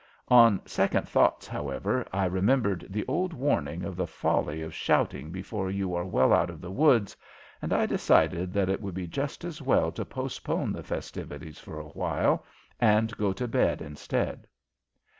On second thoughts, however, I remembered the old warning of the folly of shouting before you are well out of the woods, and I decided that it would be just as well to postpone the festivities for a while and go to bed instead.